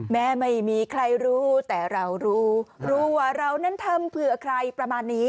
แม้ไม่มีใครรู้แต่เรารู้รู้ว่าเรานั้นทำเผื่อใครประมาณนี้